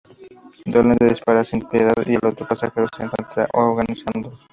Dolan le dispara sin piedad y el otro pasajero se encuentra agonizando.